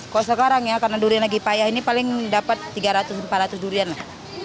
kok sekarang ya karena durian lagi payah ini paling dapat tiga ratus empat ratus durian lah